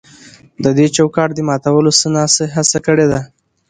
د دې چوکاټ د ماتولو څه نا څه هڅه کړې ده.